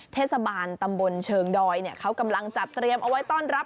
เทศบาลตำบลเชิงดอยเขากำลังจัดเตรียมเอาไว้ต้อนรับ